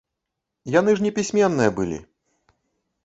Яны ж непісьменныя былі!